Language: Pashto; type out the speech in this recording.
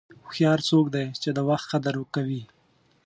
هوښیار څوک دی چې د وخت قدر کوي.